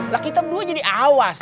lah kita berdua jadi awas